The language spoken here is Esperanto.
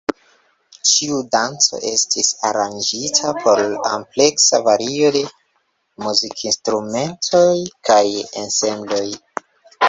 Ĉiu danco estis aranĝita por ampleksa vario de muzikinstrumentoj kaj ensembloj.